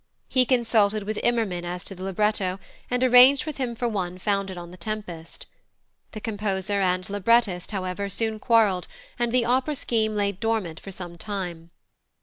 He consulted with Immerman as to the libretto, and arranged with him for one founded on The Tempest. The composer and librettist, however, soon quarrelled, and the opera scheme lay dormant for some time.